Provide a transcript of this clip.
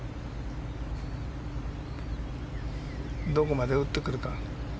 どこまで打ってくるか。